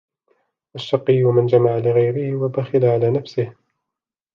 وَالشَّقِيُّ مَنْ جَمَعَ لِغَيْرِهِ وَبَخِلَ عَلَى نَفْسِهِ